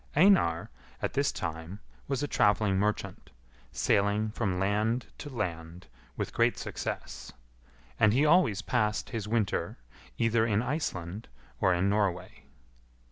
Einar, at this time, was a travelling merchant, sailing from land to land with great success; and he always passed his winter either in Iceland or in Norway.